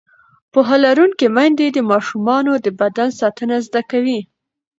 پوهه لرونکې میندې د ماشومانو د بدن ساتنه زده کوي.